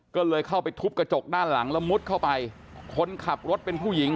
ก็เลยเข้าไปทุบกระจกด้านหลังแล้วมุดเข้าไปคนขับรถเป็นผู้หญิง